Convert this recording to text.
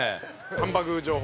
ハンバ具ー情報。